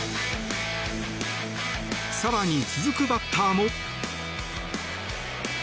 更に、続くバッターも。